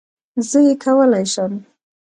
زه یې کولای شم